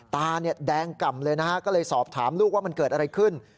ตาเนี่ยแดงกล่ำเลยนะฮะก็เลยสอบถามลูกว่ามันเกิดอะไรขึ้น